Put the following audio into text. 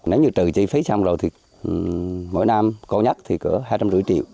nếu như trừ chi phí xong rồi thì mỗi năm có nhất thì có hai trăm năm mươi triệu